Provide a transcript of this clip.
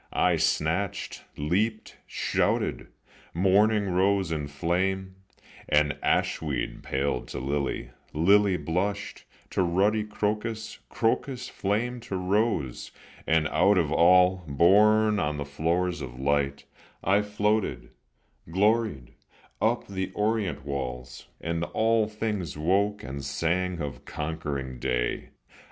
I snatched, leaped, shouted; morning rose in flame, And ashweed paled to lily, lily blushed To ruddy crocus, crocus flamed to rose, And out of all, borne on the floors of light, I floated, gloried, up the orient walls, And all things woke, and sang of conquering day.